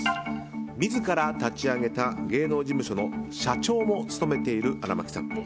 自ら立ち上げた芸能事務所の社長も務めている荒牧さん。